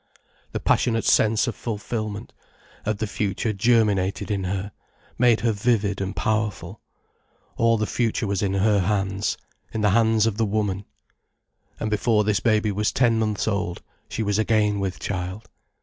The passionate sense of fulfilment, of the future germinated in her, made her vivid and powerful. All the future was in her hands, in the hands of the woman. And before this baby was ten months old, she was again with child.